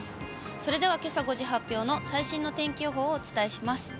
それではけさ５時発表の最新の天気予報をお伝えします。